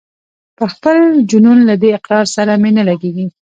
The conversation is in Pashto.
پر خپل جنون له دې اقرار سره مي نه لګیږي